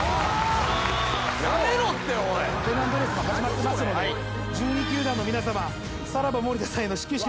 ペナントレースも始まってますので１２球団の皆さまさらば森田さんへの始球式のオファー